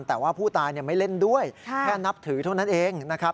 แต่ว่าผู้ตายไม่เล่นด้วยแค่นับถือเท่านั้นเองนะครับ